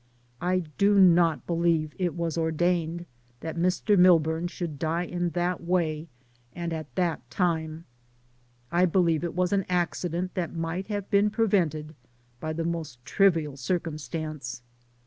I do not believe it was ordained that Mr. Milburn should die in that way and at that time. I believe it was an accident that might have been prevented by the most trivial circumstance.